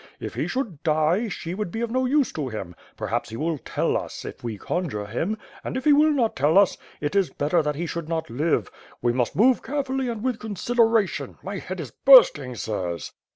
If he should die, she would be of no use to him. Perhaps he will tell us, if we conjure him; and, if he will not tell us, it is better that he should not live. We must move carefully and with consideration. My head is bursting, sirs."